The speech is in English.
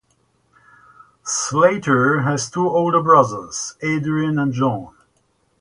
Slater has two older brothers, Adrian and John.